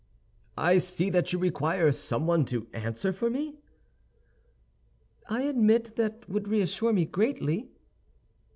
"I see that you require someone to answer for me?" "I admit that would reassure me greatly."